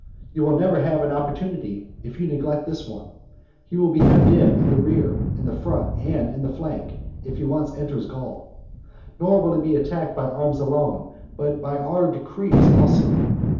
You will never have an opportunity if you neglect this one. He will be hemmed in in the rear, in the front, and in flank, if he once enters Gaul. Nor must he be attacked by arms alone, but by our decrees also.